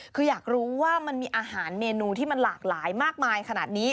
คืออยากรู้ว่ามันมีอาหารเมนูที่มันหลากหลายมากมายขนาดนี้